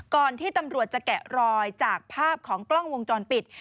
ก่อนที่ตำรวจจะแกะรอยจากภาพของกล้องวงจรปิด